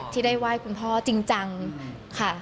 ที่ได้ไหว้คุณพ่อจริงจังค่ะ